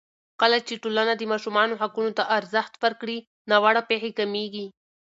کله چې ټولنه د ماشومانو حقونو ته ارزښت ورکړي، ناوړه پېښې کمېږي.